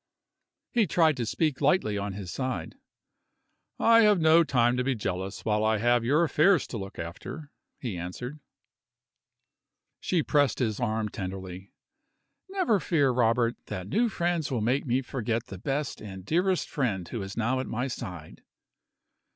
He tried to speak lightly on his side. "I have no time to be jealous while I have your affairs to look after," he answered. She pressed his arm tenderly. "Never fear, Robert, that new friends will make me forget the best and dearest friend who is now at my side."